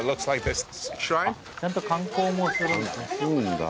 ちゃんと観光もするんだ。